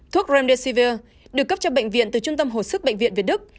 thuốc ramdesivier được cấp cho bệnh viện từ trung tâm hồ sức bệnh viện việt đức